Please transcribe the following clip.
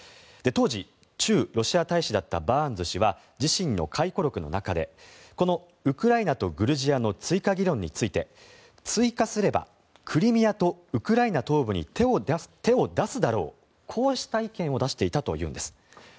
当時、駐ロシア大使だったバーンズ氏は自身の回顧録の中でこのウクライナとグルジアの追加議論について追加すればクリミアとウクライナ東部に手を出すだろうとこうした意見を出していたというんです。